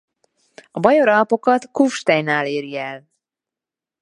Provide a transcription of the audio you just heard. A Bajor-Alpokat Kufsteinnál éri el.